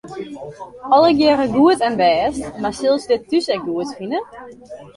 Allegearre goed en bêst, mar sille se dit thús ek goed fine?